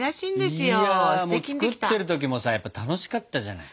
いやもう作ってる時もさやっぱ楽しかったじゃない。